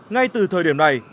ngay từ thời điểm này